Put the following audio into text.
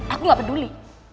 aku gak peduli